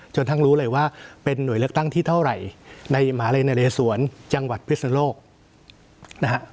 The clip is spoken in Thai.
ทั้งรู้เลยว่าเป็นหน่วยเลือกตั้งที่เท่าไหร่ในมหาลัยนาเลสวนจังหวัดพิศนโลกนะฮะ